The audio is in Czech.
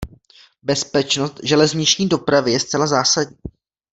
Bezpečnost železniční dopravy je zcela zásadní.